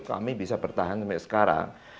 kami bisa bertahan sampai sekarang